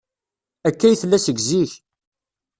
Akka ay tella seg zik.